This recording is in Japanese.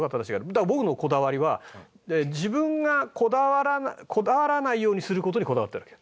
だから僕のこだわりは自分がこだわらないようにする事にこだわってるわけ。